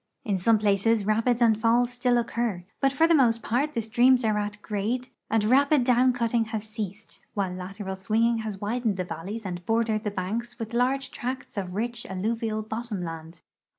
In some places rapids and falls still occur, but for the most part the streams are at grade and rapid down cutting has ceased, while lateral swinging has widened the valleys and bordered the banks with large tracts of rich alluvial " bottom land."